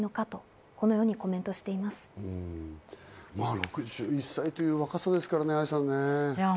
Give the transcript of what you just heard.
６１歳という若さですからね、愛さんね。